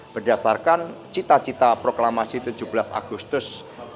berdasarkan cita cita proklamasi tujuh belas agustus dua ribu dua puluh